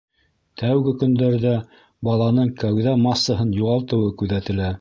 Тәүге көндәрҙә баланың кәүҙә массаһын юғалтыуы күҙәтелә.